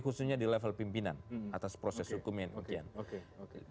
khususnya di level pimpinan atas proses hukum yang